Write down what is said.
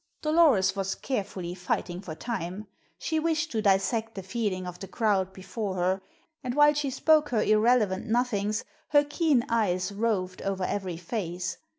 Dolores was carefully fighting for time; she wished to dissect the feeling of the crowd before her, and while she spoke her irrelevant nothings, her keen eyes roved over every face.